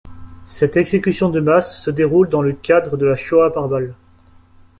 Cette exécution de masse se déroule dans le cadre de la Shoah par balles.